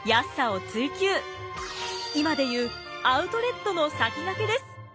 今で言うアウトレットの先駆けです。